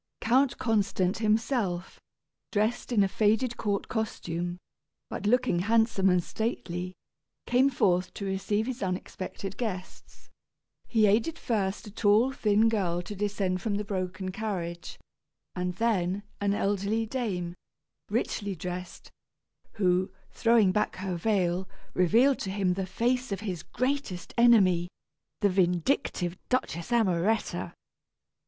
Count Constant himself, dressed in a faded court costume, but looking handsome and stately, came forth to receive his unexpected guests. He aided first a tall thin girl to descend from the broken carriage, and then, an elderly dame, richly dressed, who, throwing back her veil, revealed to him the face of his greatest enemy the vindictive Duchess Amoretta.